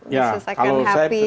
bisa selesaikan happy